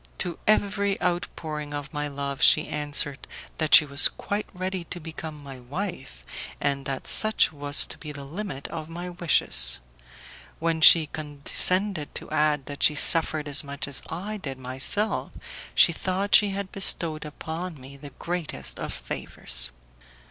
To every outpouring of my love she answered that she was quite ready to become my wife, and that such was to be the limit of my wishes; when she condescended to add that she suffered as much as I did myself, she thought she had bestowed upon me the greatest of favours.